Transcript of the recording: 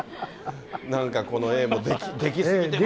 なんかこのＡも、出来過ぎてます